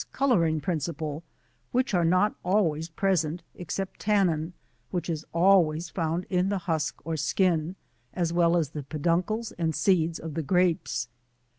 Coloring principle, which are not always present, except tannin, which is always found in the husk or skin, as well as the peduncles and seeds of the Grapes.